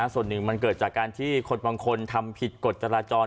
ส่วนหนึ่งมันเกิดจากการที่คนบางคนทำผิดกฎจราจร